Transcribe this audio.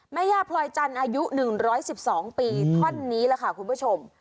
แม่ย่าพลอยจันทร์อายุ๑๑๒ปีท่อนนี้แหละค่ะคุณผู้ชม